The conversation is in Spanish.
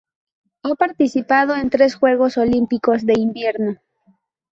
Ha participado en tres Juegos Olímpicos de invierno.